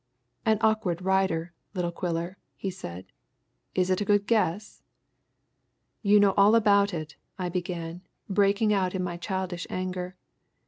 "An awkward rider, little Quiller," he said. "Is it a good guess?" "You know all about it," I began, breaking out in my childish anger.